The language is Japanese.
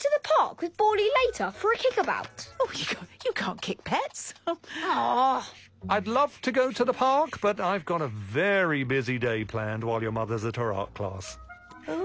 うん。